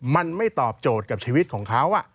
มันไม่ตอบโจทย์กับชีวิตของเขา